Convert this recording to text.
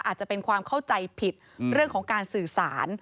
อาจจะเป็นความเข้าใจผิดเรื่องของการสื่อสาร